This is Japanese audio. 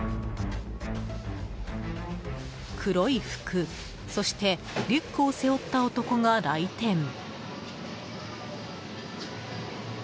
黒い服、そしてリュックを背負った男が来店。